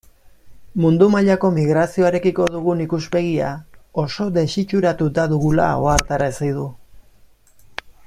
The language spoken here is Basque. Mundu mailako migrazioarekiko dugun ikuspegia oso desitxuratuta dugula ohartarazi du.